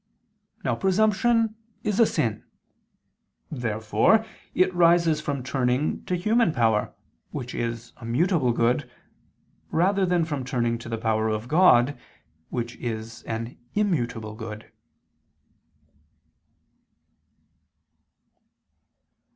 Now presumption is a sin. Therefore it arises from turning to human power, which is a mutable good, rather than from turning to the power of God, which is an immutable good.